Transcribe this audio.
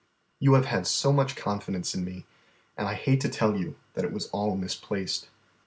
"You have had so much confidence in me, and I hate to tell you that it was all misplaced.